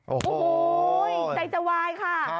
โอ้โหใจจะวายค่ะ